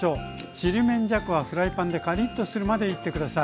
ちりめんじゃこはフライパンでカリっとするまでいって下さい。